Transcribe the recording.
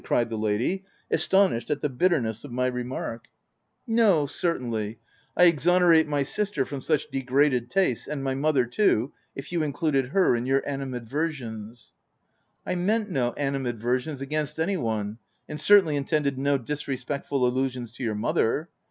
cried the lady, astonished at the bitterness of my remark. OF WILDFELL HALL. 169 " No, certainly ; I exonerate my sister from such degraded tastes— and my mother too, if you included her in your animadversions. "" I meant no animadversions against any one, and certainly intended no disrespectful allusions to your mother.